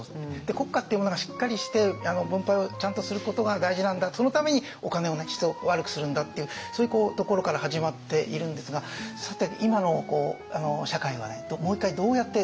国家っていうものがしっかりして分配をちゃんとすることが大事なんだそのためにお金をね質を悪くするんだっていうそういうところから始まっているんですがさて今の社会はもう一回どうやって財政の問題に取り組むか。